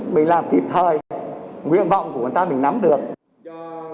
mình làm kịp thời nguyện vọng của người ta mình nắm được